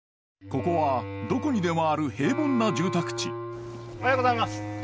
ここはどこにでもある平凡な住宅地おはようございます。